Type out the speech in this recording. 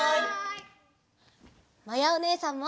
まやおねえさんも。